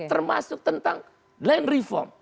termasuk tentang land reform